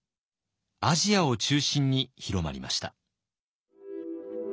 アジアを中心に広まりました。